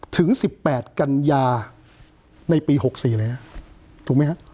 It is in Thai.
ถึง๑๘กัญญาในปี๖๔เลยนะครับถูกไหมครับ